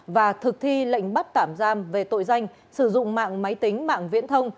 và thực thi lệnh bắt tạm giam về tội danh sử dụng mạng máy tính mạng viễn thông